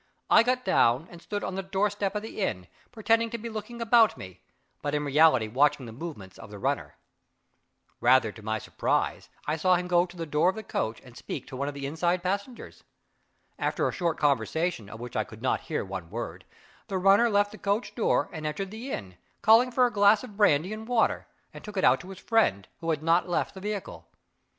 I got down, and stood on the doorstep of the inn, pretending to be looking about me, but in reality watching the movements of the runner. Rather to my surprise, I saw him go to the door of the coach and speak to one of the inside passengers. After a short conversation, of which I could not hear one word, the runner left the coach door and entered the inn, called for a glass of brandy and water, and took it out to his friend, who had not left the vehicle.